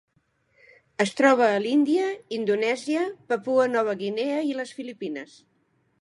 Es troba a l'Índia, Indonèsia, Papua Nova Guinea i les Filipines.